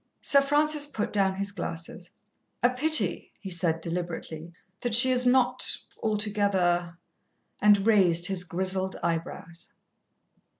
Sir Francis put down his glasses. "A pity," he said deliberately, "that she is not altogether " And raised his grizzled eyebrows.